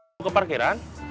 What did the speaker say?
mau ke parkiran